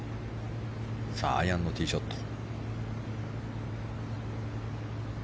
アイアンのティーショット。